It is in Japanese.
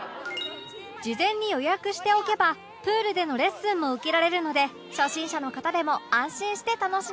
事前に予約しておけばプールでのレッスンも受けられるので初心者の方でも安心して楽しめます